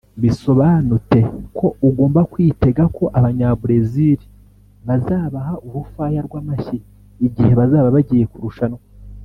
Bisobanute ko ugomba kwitega ko abanya Brezili bazabaha urufaya rw'amashyi igihe bazaba bagiye kurushanwa